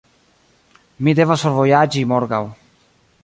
Mi devas forvojaĝi morgaŭ.